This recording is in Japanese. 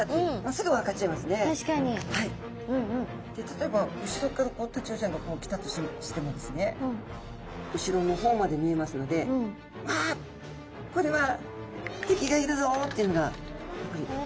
例えば後ろからタチウオちゃんがこう来たとしてもですね後ろの方まで見えますので「わこれは敵がいるぞ！」っていうのがやっぱり分かっちゃうわけですね。